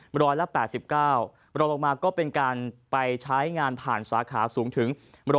บริโภคลงมาก็เป็นการไปใช้งานผ่านสาขาสูงถึง๑๘๓